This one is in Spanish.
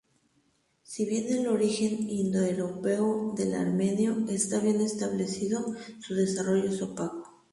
Si bien el origen indoeuropeo del armenio está bien establecido, su desarrollo es opaco.